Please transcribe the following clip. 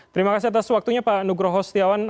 terima kasih atas waktunya pak nugroho setiawan